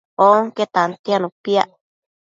Onque tantianu piac